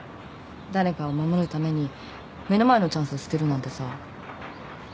誰かを守るために目の前のチャンス捨てるなんてさ。